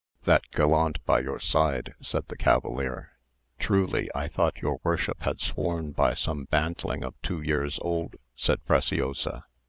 "That gallant by your side," said the cavalier. "Truly, I thought your worship had sworn by some bantling of two years old," said Preciosa.